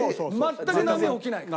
全く波が起きないから。